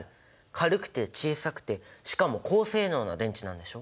軽くて小さくてしかも高性能な電池なんでしょ。